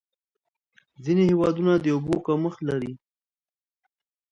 ځینې هېوادونه د اوبو کمښت لري.